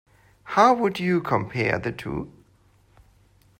How would you compare the two?